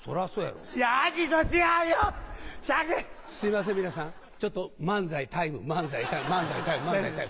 すいません皆さんちょっと漫才タイム漫才タイム。